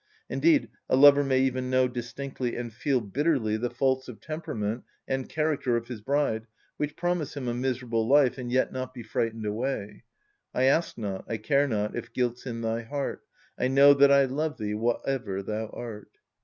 Indeed, a lover may even know distinctly and feel bitterly the faults of temperament and character of his bride, which promise him a miserable life, and yet not be frightened away:— "I ask not, I care not, If guilt's in thy heart, I know that I love thee Whatever thou art."